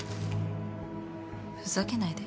ふざけないで。